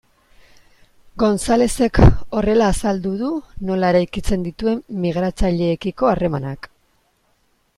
Gonzalezek horrela azaldu du nola eraikitzen dituen migratzaileekiko harremanak.